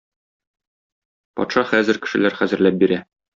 Патша хәзер кешеләр хәзерләп бирә.